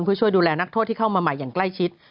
เพื่อช่วยดูแลนักโทษที่เข้ามาใหม่อย่างใกล้ชิด